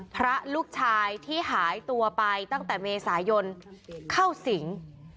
พระลูกชายที่หายตัวไปตั้งแต่เมษายนเข้าสิง